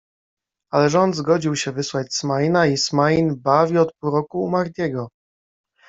Ale rząd zgodził się wysłać Smaina i Smain bawi od pół roku u Mahdiego.